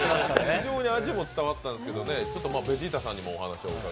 非常に味も伝わったんですけど、ベジータさんにもお話を。